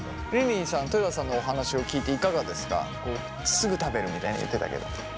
すぐ食べるみたいに言ってたけど。